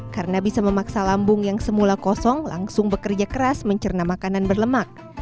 karena bisa memaksa lambung yang semula kosong langsung bekerja keras mencerna makanan berlemak